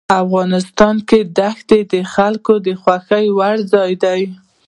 افغانستان کې دښتې د خلکو د خوښې وړ ځای دی.